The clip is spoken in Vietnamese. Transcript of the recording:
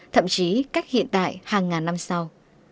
thậm chí cách hiện tại hàng ngàn năm sau